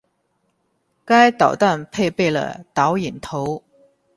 该导弹配备了导引头。